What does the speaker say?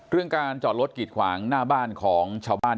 การจอดรถกิดขวางหน้าบ้านของชาวบ้าน